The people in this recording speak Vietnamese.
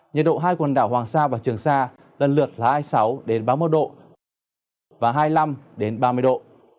nhiệt độ hai quần đảo hoàng sa và trường sa lần lượt là hai mươi sáu ba mươi một độ và hai mươi năm ba mươi độ